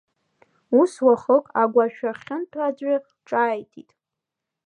Ус уахык агәашәахьынтә аӡәы ҿааиҭит…